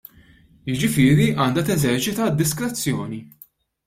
Jiġifieri għandha teżerċita d-diskrezzjoni.